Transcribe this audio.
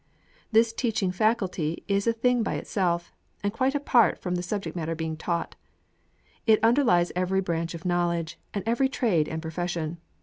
This teaching faculty is a thing by itself, and quite apart from the subject matter to be taught. It underlies every branch of knowledge, and every trade and profession.